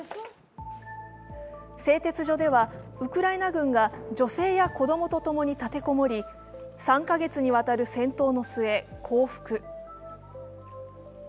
製鉄所ではウクライナ軍が女性や子供とともに立て籠もり、３か月にわたる戦闘の末、降伏。